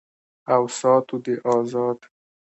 او ساتو دې آزاد